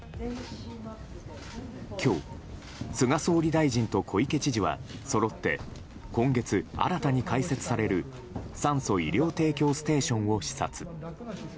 今日、菅総理大臣と小池知事はそろって今月新たに開設される酸素・医療提供ステーションを視察。